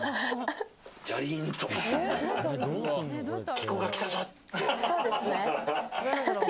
記子が来たぞって。